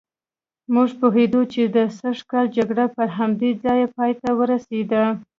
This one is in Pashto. موږ پوهېدو چې د سږ کال جګړه پر همدې ځای پایته ورسېده.